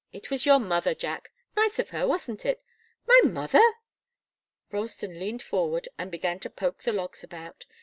It was your mother, Jack. Nice of her, wasn't it?" "My mother!" Ralston leaned forward and began to poke the logs about.